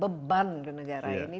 beban di negara ini